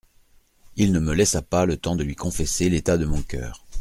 Il ne me laissa pas le temps de lui confesser l'état de mon coeur.